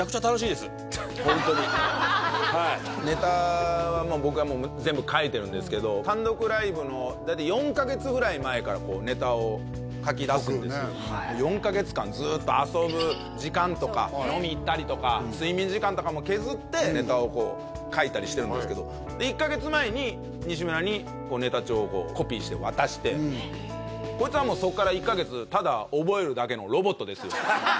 ホントにはいネタはもう僕が全部書いてるんですけど単独ライブの大体４カ月間ずっと遊ぶ時間とか飲みに行ったりとか睡眠時間とかも削ってネタをこう書いたりしてるんですけどで１カ月前に西村にこうネタ帳をコピーして渡してこいつはもうそっから１カ月ただ覚えるだけのロボットですよ